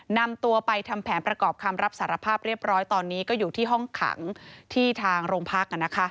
นำตัวไปทำแผนประกอบคำรับสารภาพเรียบร้อยตอนนี้ก็อยู่ที่ห้องขังที่ทางโรงพัก